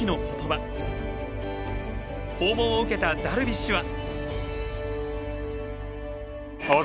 訪問を受けたダルビッシュは。